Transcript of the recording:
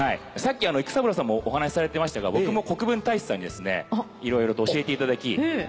さっき育三郎さんもお話されてましたが僕も国分太一さんにですね色々と教えていただき。